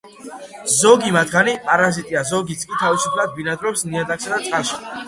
ზოგი მათგანი პარაზიტია, ზოგი კი თავისუფლად ბინადრობს ნიადაგსა და წყალში.